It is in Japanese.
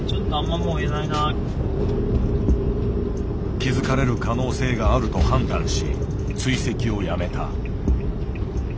気付かれる可能性があると判断し追跡をやめた。